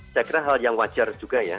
saya kira hal yang wajar juga ya